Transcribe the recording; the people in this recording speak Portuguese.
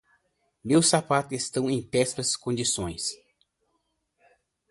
Meus sapatos estão em péssimas condições.